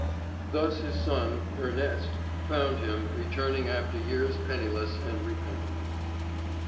Thus his son, Erneste, found him, returning after years penniless and repentant.